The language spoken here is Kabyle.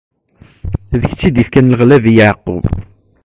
D kečč i d-ifkan leɣlab i Yeɛqub!